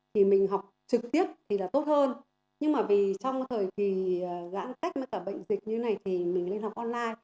thì giãn cách với cả bệnh dịch như thế này thì mình lên học online